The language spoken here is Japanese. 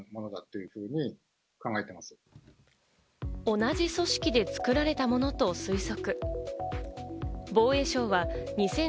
同じ組織で作られたものと推測。